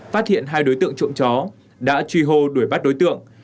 phát hiện hai đối tượng trộm chó đã truy hô đuổi bắt đối tượng